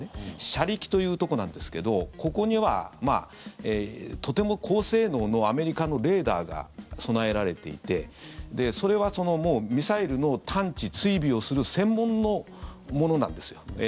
車力というところなんですけどここにはとても高性能のアメリカのレーダーが備えられていてそれはミサイルの探知・追尾をする専門のものなんですよ。